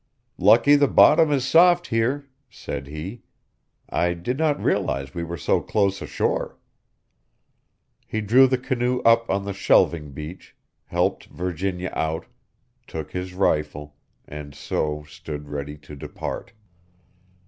"Lucky the bottom is soft here," said he; "I did not realize we were so close ashore." He drew the canoe up on the shelving beach, helped Virginia out, took his rifle, and so stood ready to depart.